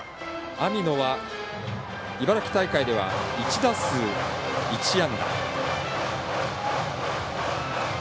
網野は茨城大会では１打数１安打。